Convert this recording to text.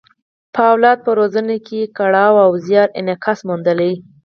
په اولاد په روزنه کې یې کړاو او زیار انعکاس موندلی.